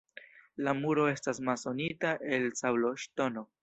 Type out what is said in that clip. La muro estas masonita el sabloŝtono.